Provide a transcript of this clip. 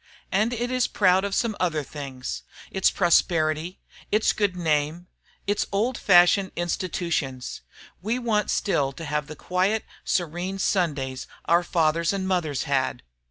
And it is proud of some other things, its prosperity, its good name, its old fashioned institutions. We want still to have the quiet, serene Sundays our fathers and mothers had."